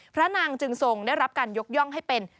พระนางจึงทรงได้รับการยกย่องให้เป็น